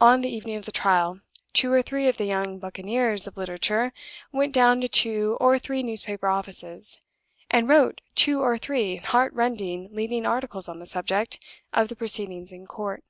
On the evening of the trial, two or three of the young buccaneers of literature went down to two or three newspaper offices, and wrote two or three heart rending leading articles on the subject of the proceedings in court.